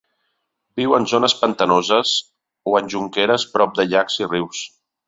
Viu en zones pantanoses o en jonqueres prop de llacs i rius.